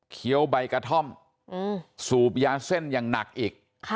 เคี้ยวใบกะท่อมอืมสูบยาเส้นอย่างหนักอีก